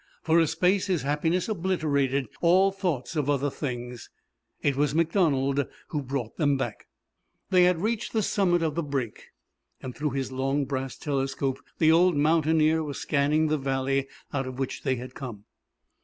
For a space his happiness obliterated all thoughts of other things. It was MacDonald who brought them back. They had reached the summit of the break, and through his long brass telescope the old mountaineer was scanning the valley out of which they had come.